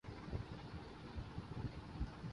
ہماری قومی زندگی کا ہمیشہ حصہ رہا ہے۔